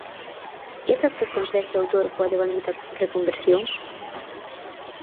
Que efectos consegue o autor coa devandita reconversión?